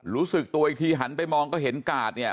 รู้สึกตัวอีกทีหันไปมองก็เห็นกาดเนี่ย